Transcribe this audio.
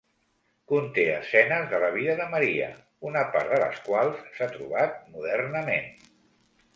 Conté escenes de la vida de Maria, una part de les quals s'ha trobat modernament.